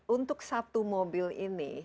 untuk satu mobil ini